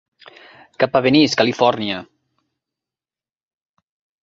Cap a Venice, Califòrnia.